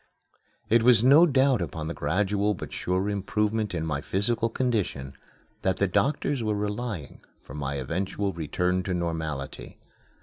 It was no doubt upon the gradual, but sure improvement in my physical condition that the doctors were relying for my eventual return to normality.